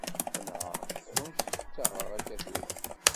Qenɛeɣ s wannect ttaɣeɣ akka tura.